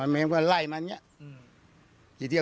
มันก็ไล่มันอย่างนี้